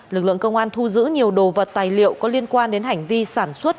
lực lượng công an thu giữ nhiều đồ vật tài liệu có liên quan đến hành vi sản xuất